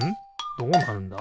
どうなるんだ？